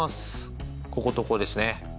こことここですね。